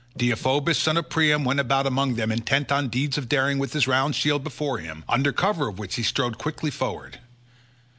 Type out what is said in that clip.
Deiphobus son of Priam went about among them intent on deeds of daring with his round shield before him, under cover of which he strode quickly forward.